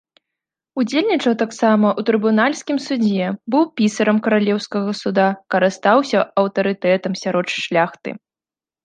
Удзельнічаў таксама ў трыбунальскім судзе, быў пісарам каралеўскага суда, карыстаўся аўтарытэтам сярод шляхты.